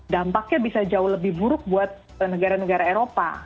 dampaknya bisa jauh lebih buruk buat negara negara eropa